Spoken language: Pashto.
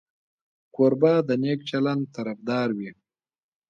کوربه د نیک چلند طرفدار وي.